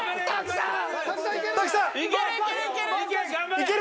いける！